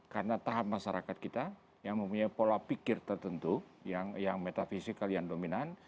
karena tahap masyarakat kita yang mempunyai pola pikir tertentu yang metafisikal yang dominan